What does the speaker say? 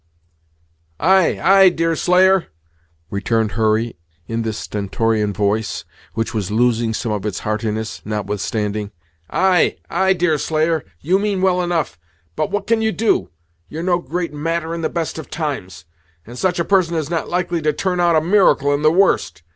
"Ay, ay, Deerslayer," returned Hurry, in this stentorian voice, which was losing some of its heartiness, notwithstanding, "Ay, ay, Deerslayer. You mean well enough, but what can you do? You're no great matter in the best of times, and such a person is not likely to turn out a miracle in the worst.